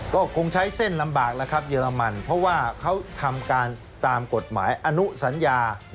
ก็คงใช้เส้นลำบากแล้วครับเยอรมันเพราะว่าเขาทำการตามกฎหมายอนุสัญญา